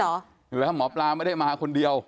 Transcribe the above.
เห็นไหมครับหมอปลาไม่ได้มาคนเดียว